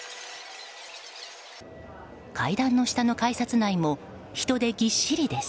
階段の下の改札内も人でぎっしりです。